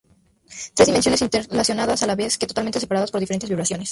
Tres dimensiones interrelacionadas a la vez que totalmente separadas por diferentes vibraciones.